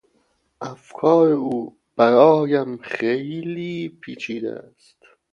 افکار او برایم خیلی پیچیده است.